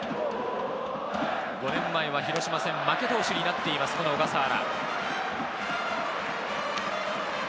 ５年前は広島戦、負け投手になっています、この小笠原。